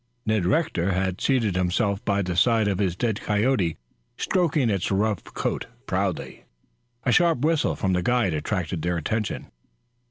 Ned Rector had seated himself by the side of his dead coyote, stroking its rough coat proudly. A sharp whistle from the guide attracted their attention.